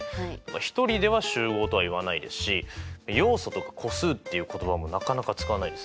１人では集合とは言わないですし要素とか個数っていう言葉もなかなか使わないですね。